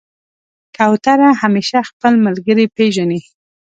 کوتره همیشه خپل ملګری پېژني.